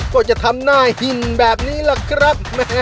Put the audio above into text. ก็จะทำหน้าหินแบบนี้ล่ะครับ